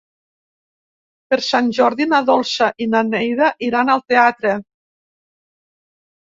Per Sant Jordi na Dolça i na Neida iran al teatre.